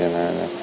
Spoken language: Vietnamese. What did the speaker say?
hàng tuần nữa